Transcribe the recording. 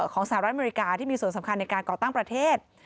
สหรัฐอเมริกาที่มีส่วนสำคัญในการก่อตั้งประเทศ